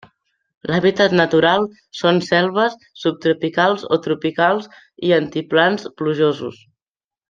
L'hàbitat natural són selves subtropicals o tropicals i altiplans plujosos.